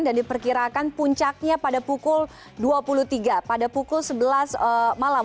dan diperkirakan puncaknya pada pukul dua puluh tiga pada pukul sebelas malam